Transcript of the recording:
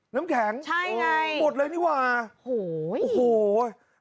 น้ำแข็งหมดเลยนี่ว่าโอ้โหโอ้โหใช่ไง